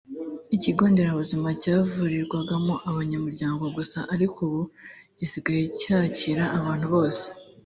ikigo nderabuzima cyavurirwagamo abanyamuryango gusa ariko ubu gisigaye cyakira abantu bose